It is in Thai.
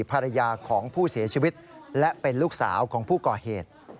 ภรรยาของผู้เสียชีวิตและเป็นลูกสาวของผู้ก่อเหตุ